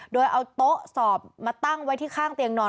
โดยเอาโต๊ะสอบมาตั้งไว้ที่ข้างเตียงนอน